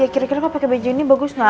ya kira kira kok pake baju ini bagus gak